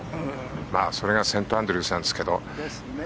それがセントアンドリュースですが。